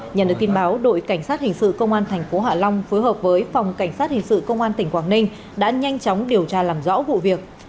nhận được tin báo đội cảnh sát hình sự công an tp hạ long phối hợp với phòng cảnh sát hình sự công an tỉnh quảng ninh đã nhanh chóng điều tra làm rõ vụ việc